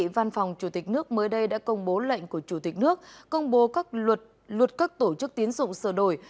văn phòng chủ tịch nước mới đây đã công bố lệnh của chủ tịch nước công bố các luật các tổ chức tiến dụng sửa đổi